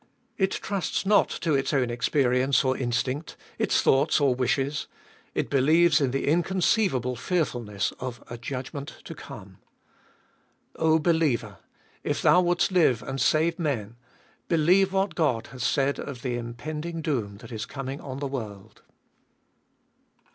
It trusts not to its own experience or instinct, its thoughts or wishes. It believes in the inconceivable fearfulness of a judgment to come. O believer ! if thou wouldst live and 28 434 abe Tbolfest of ait save men, believe what God has said of the impending doom that is coming on the world.